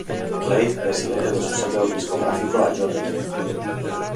Reid, presidente de su sello discográfico a John Legend.